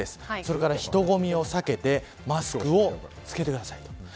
それから人混みを避けてマスクを着けてください。